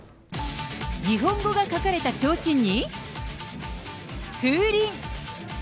日本語が書かれたちょうちんに、風鈴。